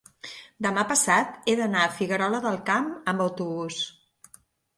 demà passat he d'anar a Figuerola del Camp amb autobús.